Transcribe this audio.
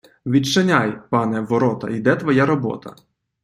Відчиняй, пане, ворота- йде твоя робота!